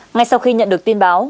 ngay sau khi nhận được tin báo